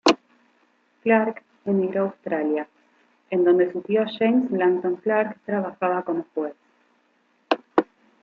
Clarke emigró a Australia, en donde su tío James Langton Clarke trabajaba como juez.